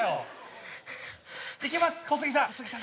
いけます小杉さん。